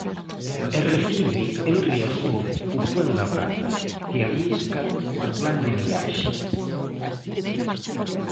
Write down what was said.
E recibe en Riazor o Fuenlabrada que arrisca co plan de viaxe.